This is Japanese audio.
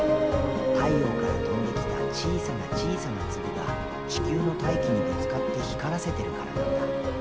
太陽から飛んできた小さな小さな粒が地球の大気にぶつかって光らせてるからなんだ。